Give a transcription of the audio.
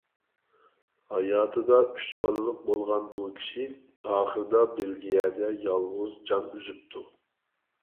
ھاياتىدا ئۈچ بالىلىق بولغان بۇ كىشى ئاخىرىدا بېلگىيەدە يالغۇز جان ئۈزۈپتۇ.